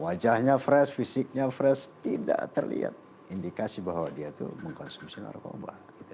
wajahnya fresh fisiknya fresh tidak terlihat indikasi bahwa dia itu mengkonsumsi narkoba